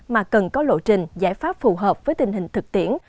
mà cần có lộ trình giải pháp phù hợp với tình hình thực tiễn